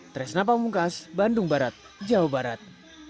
tresna pamungkas bandung barat jawa barat